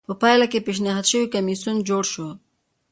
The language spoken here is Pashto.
په پایله کې پېشنهاد شوی کمېسیون جوړ شو